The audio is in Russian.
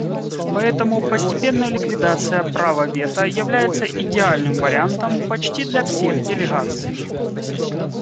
Поэтому постепенная ликвидация права вето является идеальным вариантом почти для всех делегаций.